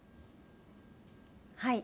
はい。